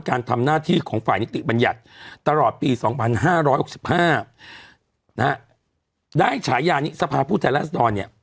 การทำหน้าที่ของฝ่ายนิติบัญญัติตลอดปี๒๕๖๕นะฮะได้ฉายานี้สภาพผู้แทนรัศดรเนี่ย